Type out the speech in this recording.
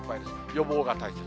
予防が大切。